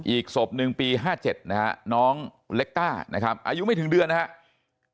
อีกศพ๑ปี๕๗น้องเล็กต้าอายุไม่ถึงเดือนนะครับ